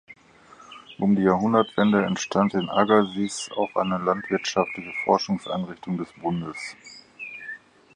Um die Jahrhundertwende entstand in „Agassiz“ auch eine landwirtschaftliche Forschungseinrichtung des Bundes.